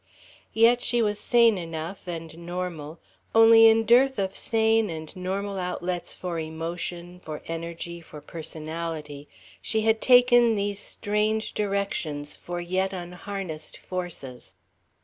Yet she was sane enough, and normal, only in dearth of sane and normal outlets for emotion, for energy, for personality, she had taken these strange directions for yet unharnessed forces.